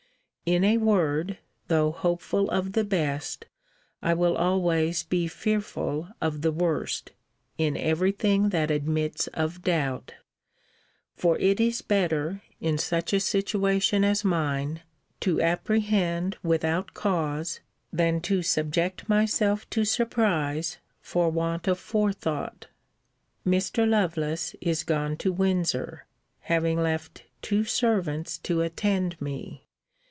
In a word, though hopeful of the best, I will always be fearful of the worst, in every thing that admits of doubt. For it is better, in such a situation as mine, to apprehend without cause, than to subject myself to surprise for want of forethought. Mr. Lovelace is gone to Windsor, having left two servants to attend me.